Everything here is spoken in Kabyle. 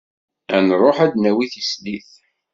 Ad nruḥ ad d-nawi tislit.